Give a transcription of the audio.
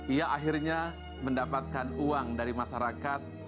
ia akhirnya mendapatkan uang dari masyarakat